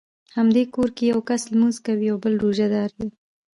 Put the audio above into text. همدې کور کې یو کس لمونځ کوي او بل روژه دار دی.